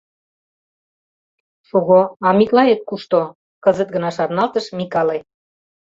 — Шого, а Миклает кушто? — кызыт гына шарналтыш Микале.